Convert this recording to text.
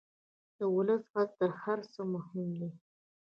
د ولس غږ تر هر څه مهم دی.